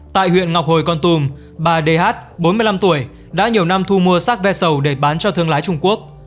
tại huyện ngọc hồi con tùm bà đê hát bốn mươi năm tuổi đã nhiều năm thu mua xác vẹt sầu để bán cho thương lái trung quốc